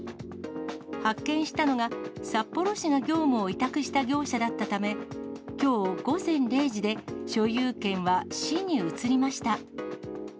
発見したのが、札幌市が業務を委託した業者だったため、きょう午前０時で、所有権は市に移りました。